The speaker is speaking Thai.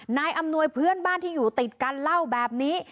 นายอำนวยเพื่อนบ้านที่อยู่ติดกันเล่าแบบนี้